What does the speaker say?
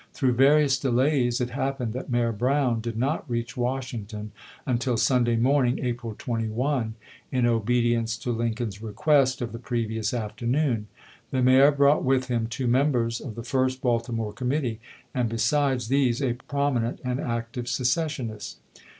Through various delays it happened that Mayor Brown did not reach Washington until Sunday morning, April 21, in obedience to Lincoln's request of the previous afternoon. The mayor bi'ought with him two members of the first Baltimore commit tee, and besides these a prominent and active secessionist.